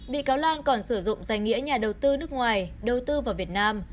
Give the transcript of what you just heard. bị cáo lan còn sử dụng danh nghĩa nhà đầu tư nước ngoài đầu tư vào việt nam